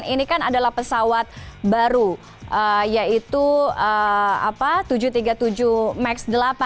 ini kan adalah pesawat baru yaitu tujuh ratus tiga puluh tujuh max delapan